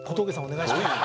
お願いします。